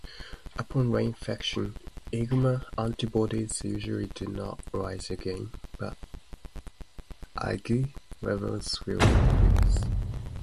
Upon reinfection, IgM antibodies usually do not rise again but IgG levels will increase.